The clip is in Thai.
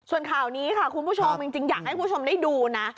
ส่วนข่าวนี้ค่ะคุณผู้ชมจริงอยากให้คุณผู้ชมได้ดูนะ